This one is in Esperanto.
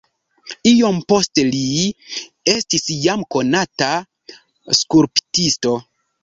Iom poste li estis jam konata skulptisto.